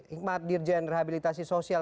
hikmat dirjen rehabilitasi sosial